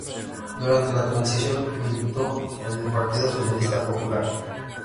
Durante la Transición militó en el Partido Socialista Popular.